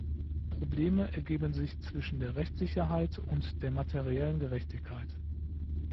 Probleme ergeben sich zwischen der Rechtssicherheit und der materiellen Gerechtigkeit.